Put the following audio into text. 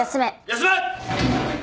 休め。